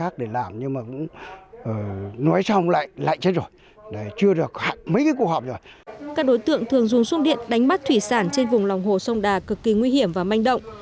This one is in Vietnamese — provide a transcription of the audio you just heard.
các đối tượng thường dùng sung điện đánh bắt thủy sản trên vùng lòng hồ sông đà cực kỳ nguy hiểm và manh động